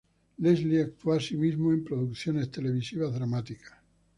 Leslie actuó, así mismo, en producciones televisivas dramáticas.